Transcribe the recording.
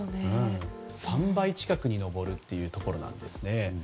３倍近くに上るということですね。